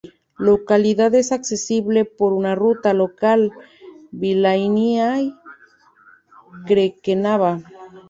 Localidad es accesible por una ruta local Vilainiai-Krekenava.